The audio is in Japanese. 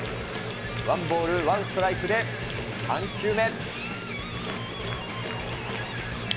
ワンボール、ワンストライクで３球目。